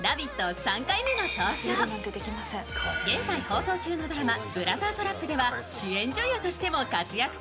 ３回目の登場、現在放送中のドラマ「ブラザー・トラップ」では主演女優としても活躍中。